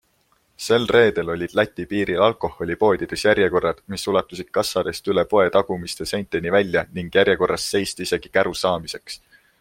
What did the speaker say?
Sel reedel olid Läti piiril alkoholipoodides järjekorrad, mis ulatusid kassadest üle poe tagumiste seinteni välja ning järjekorras seisti isegi käru saamiseks.